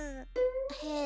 へえ。